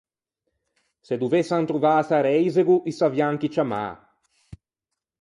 Se dovessan trovâse à reisego, i savian chi ciammâ.